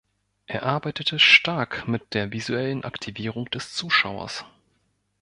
Er arbeitete stark mit an der visuellen Aktivierung des Zuschauers.